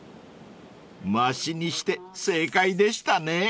［増しにして正解でしたね］